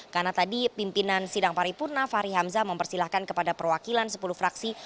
karena tadi pimpinan sidang paripurna fahri hamzah mempersilahkan kepada perwakilan sepuluh fraksi